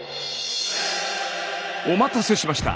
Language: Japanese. お待たせしました。